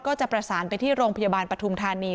ก็จะประสานไปที่โรงพยาบาลปฐุมธานี